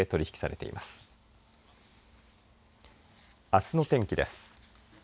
あすの天気です。